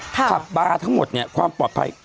ขับบาร์ทั้งหมดเนี่ยความปลอดภัย